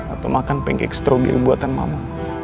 atau makan pancake stroberi buatan mama